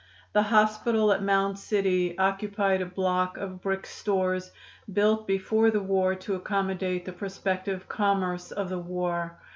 The hospital at Mound City occupied a block of brick stores, built before the war to accommodate the prospective commerce of the war.